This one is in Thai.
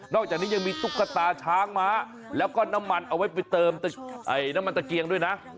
อกจากนี้ยังมีตุ๊กตาช้างม้าแล้วก็น้ำมันเอาไว้ไปเติมน้ำมันตะเกียงด้วยนะ